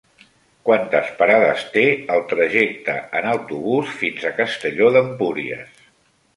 Quantes parades té el trajecte en autobús fins a Castelló d'Empúries?